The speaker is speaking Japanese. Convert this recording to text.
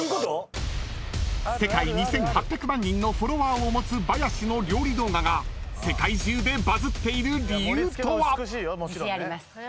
［世界２，８００万人のフォロワーを持つバヤシの料理動画が世界中でバズっている理由とは？］